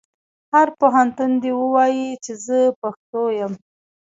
هر پښتون دې ووايي چې زه پښتو یم.